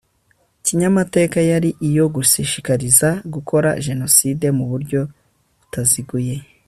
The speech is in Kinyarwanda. kinyamateka yari iyo gushishikariza gukora jenoside mu buryo butaziguye